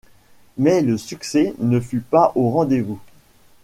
Mais le succès ne fut pas au rendez-vous.